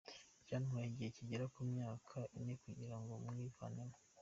Byantwaye igihe kigera ku myaka ine kugira ngo mwivanemo.